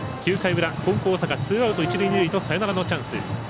９回裏金光大阪ツーアウト、一塁二塁サヨナラのチャンス。